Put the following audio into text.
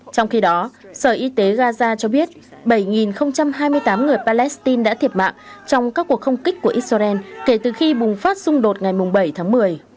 trong khi đó sở y tế gaza cho biết bảy hai mươi tám người palestine đã thiệt mạng trong các cuộc không kích của israel kể từ khi bùng phát xung đột ngày bảy tháng một mươi